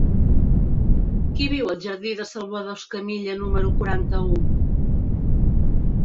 Qui viu al jardí de Salvador Escamilla número quaranta-u?